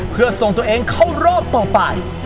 เพื่อส่งตัวเองเข้ารอบต่อไป